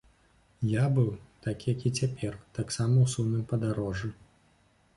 Я быў, так як і цяпер, таксама ў сумным падарожжы.